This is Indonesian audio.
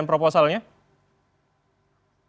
menurut pakgra menurut pakra selalu zugap indian agama air